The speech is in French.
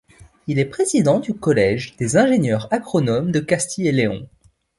Il est président du Collège des ingénieurs agronomes de Castille-et-León.